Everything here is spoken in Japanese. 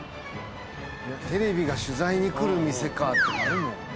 テレビが取材に来る店かってなるもん。